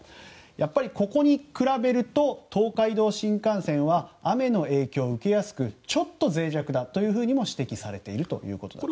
やっぱりここに比べると東海道新幹線は雨の影響を受けやすくちょっとぜい弱だというふうにも指摘されているんです。